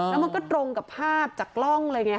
แล้วมันก็ตรงกับภาพจากกล้องเลยไง